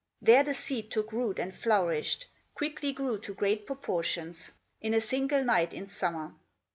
There the seed took root and flourished, Quickly grew to great proportions, In a single night in summer.